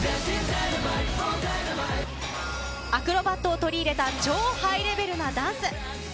アクロバットを取り入れた超ハイレベルなダンス。